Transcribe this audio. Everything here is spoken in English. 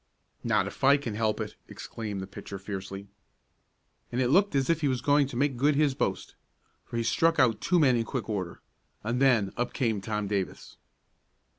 "Not if I can help it!" exclaimed the pitcher fiercely. And it looked as if he was going to make good his boast, for he struck out two men in quick order. And then up came Tom Davis.